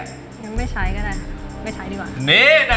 ยังไม่ใช้ก็ได้ไม่ใช้ดีกว่า